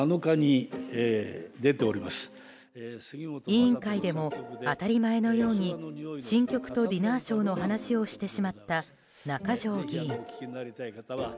委員会でも当たり前のように新曲とディナーショーの話をしてしまった中条議員。